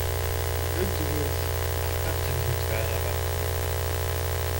Тэр зүгээр л алдааг чинь хэлж байгаа байхгүй юу!